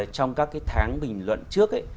trong các cái tháng bình luận trước ấy